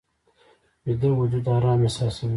ویده وجود آرام احساسوي